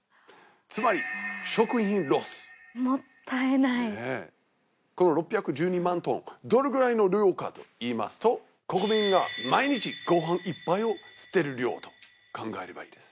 つまり「食品ロス」もったいないねぇこの６１２万トンどのぐらいの量かといいますと国民が毎日ご飯１杯を捨てる量と考えればいいです